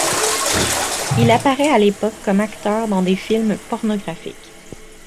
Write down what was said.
Il apparaît à l'époque comme acteur dans des films pornographiques.